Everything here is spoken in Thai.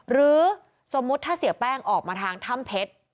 หรือสมมุติถ้าเสียแป้งออกมาทางถ้ำเพชร